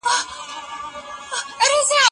زه هره ورځ سبزیحات جمع کوم؟!